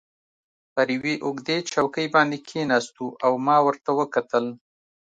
پر یوې اوږدې چوکۍ باندې کښېناستو او ما ورته وکتل.